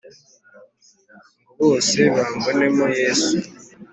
Ngo bose bambonemo Yesu,